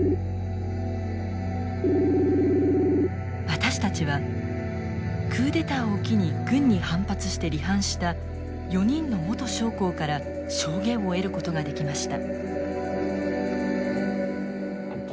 私たちはクーデターを機に軍に反発して離反した４人の元将校から証言を得ることができました。